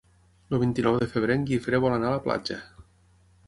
El vint-i-nou de febrer en Guifré vol anar a la platja.